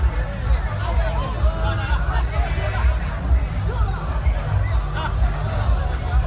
สุดท้ายสุดท้ายสุดท้ายสุดท้ายสุดท้ายสุดท้ายสุดท้าย